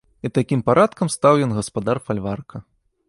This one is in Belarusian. І такім парадкам стаў ён гаспадар фальварка.